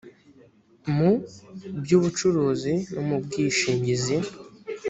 mu by ubucuruzi no mu bwishingizi